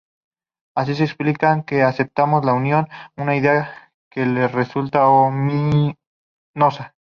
Así se explica que aceptaran la Unión, una idea que les resultaba ominosa.